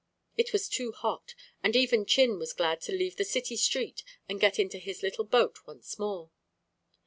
It was too hot, and even Chin was glad to leave the city street and get into his little boat once more.